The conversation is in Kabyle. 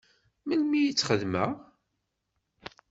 Melmi i t-txedmeḍ?